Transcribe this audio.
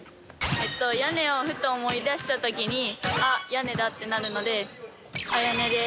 屋根をふと思い出した時に「あっやねだ！」ってなるのであやねです。